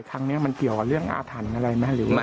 ครั้งนี้มันเกี่ยวกับเรื่องอาถรรพ์อะไรไหมหรือว่า